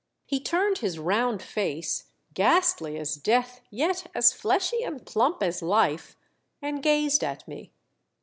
He turned his round face, ghastly as death yet as fleshy and plump as life, and gazed at me.